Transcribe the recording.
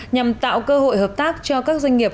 nhằm tạo cơ hội hợp tác cho các doanh nghiệp